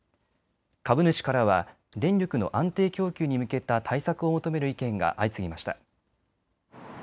株主からは電力の安定供給に向けた対策を求める意見が相次ぎました。